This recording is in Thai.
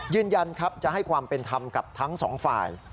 ยืนยันครับจะให้ความเป็นธรรมกับทั้งสองฝ่าย